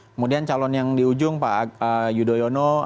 kemudian calon yang di ujung pak yudhoyono